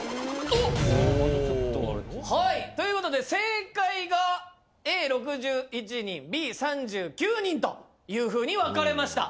ということで正解がＡ６１人Ｂ３９人というふうに分かれました。